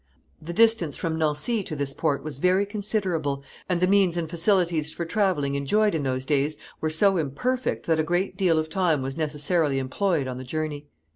The distance from Nancy to this port was very considerable, and the means and facilities for traveling enjoyed in those days were so imperfect that a great deal of time was necessarily employed on the journey.